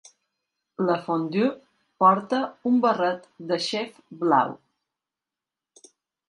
La fondue porta un barret de xef blau.